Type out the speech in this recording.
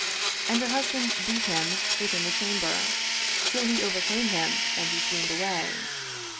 And her husband beat him within the chamber, till he overcame him and he swooned away.